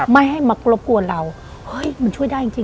ไม่ให้มารบกวนเราเฮ้ยมันช่วยได้จริง